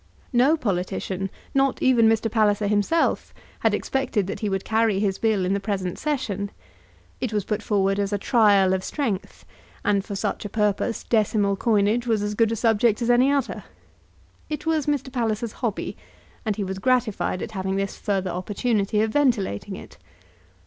No politician, not even Mr. Palliser himself, had expected that he would carry his Bill in the present session. It was brought forward as a trial of strength; and for such a purpose decimal coinage was as good a subject as any other. It was Mr. Palliser's hobby, and he was gratified at having this further opportunity of ventilating it.